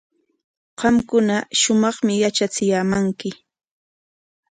Qamkuna shumaqmi yatrachiyaamanki.